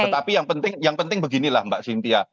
tetapi yang penting beginilah mbak cynthia